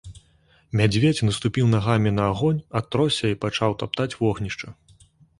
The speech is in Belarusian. Мядзведзь наступіў нагамі на агонь, атросся і пачаў таптаць вогнішча.